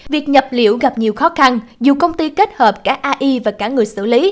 việc nhập liệu gặp nhiều khó khăn dù công ty kết hợp cả ai và cả người xử lý